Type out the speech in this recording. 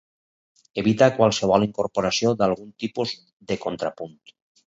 Evita qualsevol incorporació d'algun tipus de contrapunt.